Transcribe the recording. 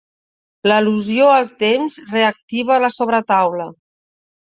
L'al·lusió al temps reactiva la sobretaula.